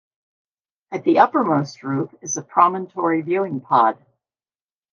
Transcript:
At the uppermost roof is a promontory viewing pod.